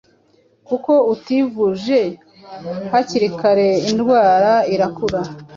Kuko utivuje hakiri kare indwara irakura